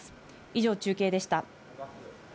以上、中継でした。